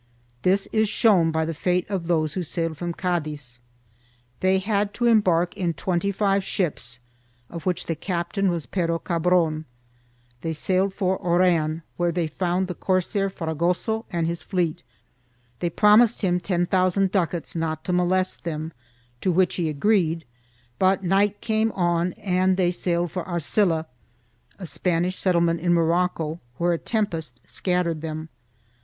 This is shown by the fate of those who sailed from Cadiz. They had to embark in twenty five ships of which the captain was Pero Cabron; they sailed for Oran where they found the corsair Fragoso and his fleet ; they promised him ten thousand ducats not to molest them, to which he agreed, but night came on and they sailed for Arcilla, (a Spanish settlement in Morocco), where a tempest scattered them.